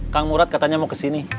kang murad katanya mau kesini